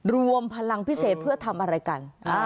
รวมพลังพิเศษเพื่อทำอะไรกัน